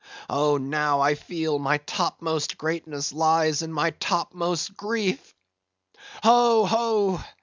Oh, now I feel my topmost greatness lies in my topmost grief. Ho, ho!